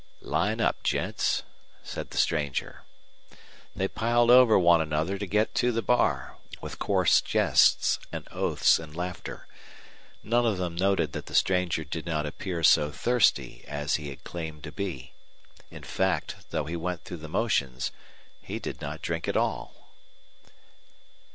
"Line up, gents," said the stranger. They piled over one another to get to the bar, with coarse jests and oaths and laughter. None of them noted that the stranger did not appear so thirsty as he had claimed to be. In fact, though he went through the motions, he did not drink at all.